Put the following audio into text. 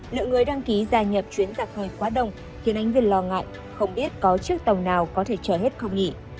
lượng người đăng ký gia nhập chuyến giặc hời quá đông khiến anh nguyên lo ngại không biết có chiếc tàu nào có thể chở hết không nhỉ